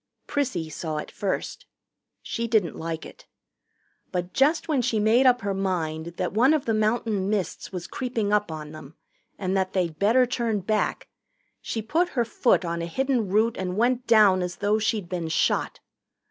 Prissy saw it first. She didn't like it. But just when she made up her mind that one of the mountain mists was creeping up on them and that they'd better turn back, she put her foot on a hidden root and went down as though she'd been shot.